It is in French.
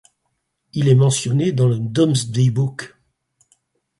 Il est mentionné dans le Domesday Book.